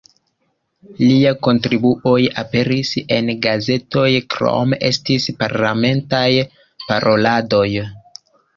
Liaj kontribuoj aperis en gazetoj, krome estis parlamentaj paroladoj.